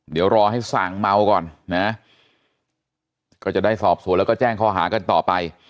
เดี๋ยวรอให้สั่งเมาก่อนนะก็จะได้สอบสวนแล้วก็แจ้งข้อหากันต่อไป